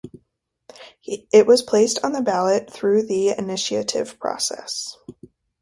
It was placed on the ballot through the initiative process.